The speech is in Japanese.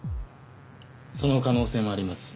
その可能性もあります。